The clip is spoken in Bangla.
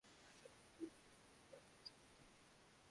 স্ট্রিকের আশা, এরপর এক-দেড় মাসের মধ্যেই আবার পরীক্ষা দিতে পারবেন তাসকিন।